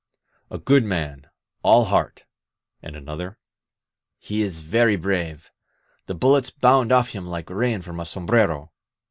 "A good man, all heart." And another: "He is very brave. The bullets bound off him like rain from a sombrero.